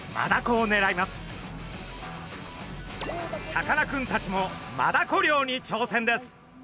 さかなクンたちもマダコ漁にちょうせんです。